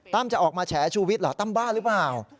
จะออกมาแฉชูวิทย์เหรอตั้มบ้าหรือเปล่า